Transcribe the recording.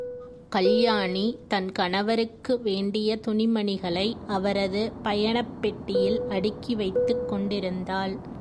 கல்யாணி தன் கணவருக்கு வேண்டிய துணிமணிகளை அவரது பயனப் பெட்டியில் அடுக்கி வைத்துக் கொண்டிருந்தாள்.